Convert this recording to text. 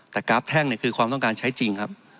แต่กราฟแท่งคือความต้องการใช้จริงครับ